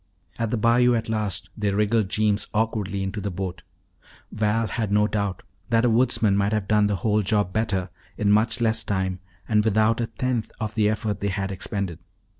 At the bayou at last, they wriggled Jeems awkwardly into the boat. Val had no doubt that a woodsman might have done the whole job better in much less time and without a tenth of the effort they had expended.